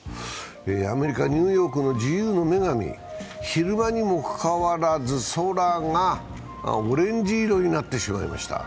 アメリカ・ニューヨークの自由の女神、昼間にもかかわらず空がオレンジ色になってしまいました。